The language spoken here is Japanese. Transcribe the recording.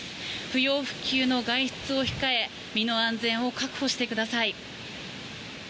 不要不急の外出を控え身の安全を確保してください。